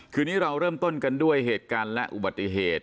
คืนนี้เราเริ่มต้นกันด้วยเหตุการณ์และอุบัติเหตุ